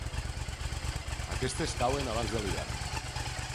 Aquestes cauen abans de l'hivern.